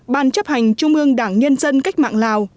ban chấp hành trung ương đảng nhân dân cách mạng lào